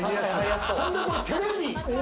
ほんでこのテレビ！